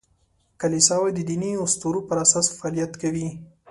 کلیساوې د دیني اسطورو پر اساس فعالیت کوي.